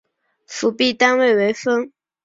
辅币单位为分。